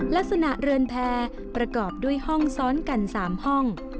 ลักษณะเรือนแพร่ประกอบด้วยห้องซ้อนกัน๓ห้อง